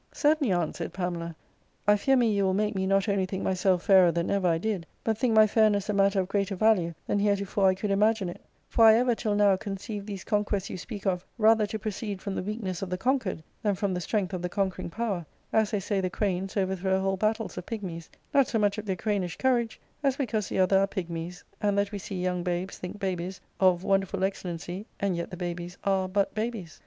Certainly, aunt,'* said Pamela, " I fear me you will make me not only think myself fairer than ever I did, but think my fairness a matter of greater value than heretofore I could imagine it ; for I ever, till now, conceived these conquests you speak of rather to proceed from the weakness of the con quered than from the strength of the conquering power, as they say the cranes overthrow whole battles of Pigmies, not so much of their cranish courage as because the othqr are Pigmies, and that we see young babes think babies* of wonderful excellency, and yet the babies are but babies.